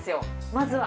まずは。